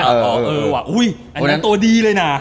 เออเออว่ะอุ้ยอันนั้นตัวดีเลยน่ะ